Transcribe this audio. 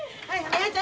はい。